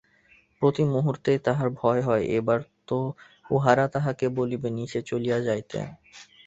প্রতি মুহুর্তেই তাহার ভয় হয় এইবার হয়তো উহারা তাহাকে বলিবে নিচে চলিয়া যাইতে।